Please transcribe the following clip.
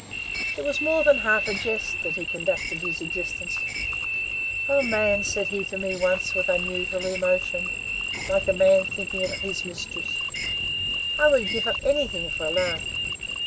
It was more than half a jest that he conducted his existence. 'Oh, man,' he said to me once with unusual emotion, like a man thinking of his mistress, 'I would give up anything for a lark.